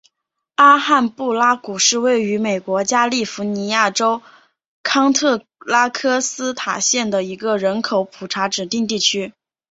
阿罕布拉谷是位于美国加利福尼亚州康特拉科斯塔县的一个人口普查指定地区。